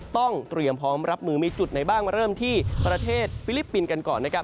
ต้องเตรียมพร้อมรับมือมีจุดไหนบ้างมาเริ่มที่ประเทศฟิลิปปินส์กันก่อนนะครับ